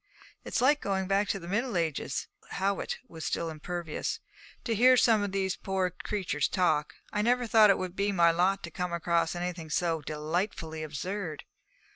'It is like going back to the Middle Ages' Howitt was still impervious 'to hear some of these poor creatures talk. I never thought it would be my lot to come across anything so delightfully absurd.'